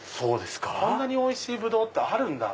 こんなにおいしいブドウってあるんだ。